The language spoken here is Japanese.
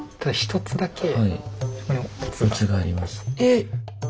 えっ！